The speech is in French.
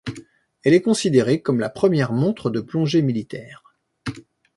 Elle est considérée comme la première montre de plongée militaire.